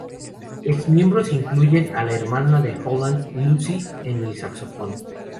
Ex miembros incluyen a la hermana de Holland, Lucy, en el saxofón.